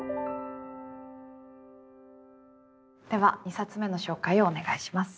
では２冊目の紹介をお願いします。